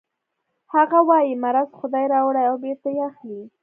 هغه وايي مرض خدای راوړي او بېرته یې اخلي